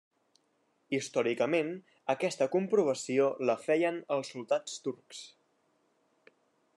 Històricament, aquesta comprovació la feien els soldats turcs.